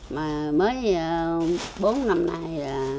mới bốn năm nay